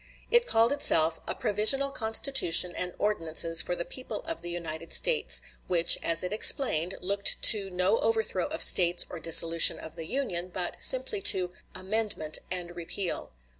It called itself a "Provisional Constitution and Ordinances for the People of the United States," which, as it explained, looked to no overthrow of States or dissolution of the Union, but simply to "amendment and repeal."